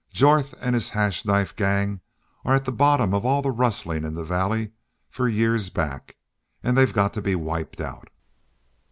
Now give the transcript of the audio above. "Jorth an' his Hash Knife Gang are at the bottom of all the rustlin' in the valley for years back. An' they've got to be wiped out!"